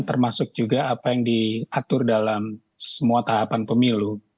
termasuk juga apa yang diatur dalam semua tahapan pemilu